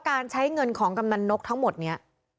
การใช้เงินของกำนันนกทั้งหมดนี้